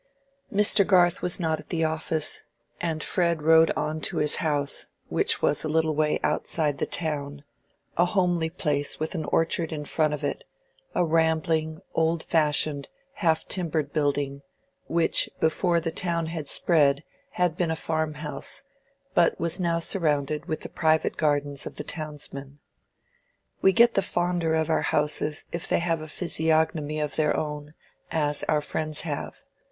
Mr. Garth was not at the office, and Fred rode on to his house, which was a little way outside the town—a homely place with an orchard in front of it, a rambling, old fashioned, half timbered building, which before the town had spread had been a farm house, but was now surrounded with the private gardens of the townsmen. We get the fonder of our houses if they have a physiognomy of their own, as our friends have.